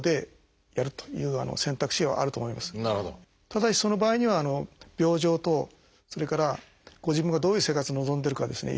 ただしその場合には病状とそれからご自分がどういう生活を望んでるかですね